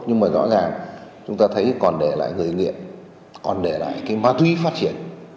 nhưng mà rõ ràng chúng ta thấy còn để lại người nghiện còn để lại cái ma túy phát triển